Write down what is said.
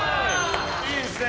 いいですね。